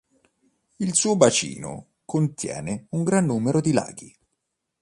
Il suo bacino contiene un gran numero di laghi.